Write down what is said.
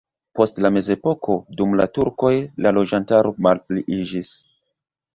Post la mezepoko dum la turkoj la loĝantaro malpliiĝis.